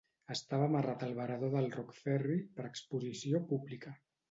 Estava amarrat al varador del Rock Ferry per a exposició pública.